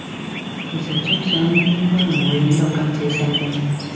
其實張相應該唔會影到咁仔細嘅